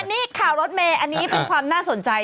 นี่ข่าวรถเมย์อันนี้เป็นความน่าสนใจ